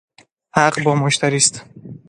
حق با مشتری است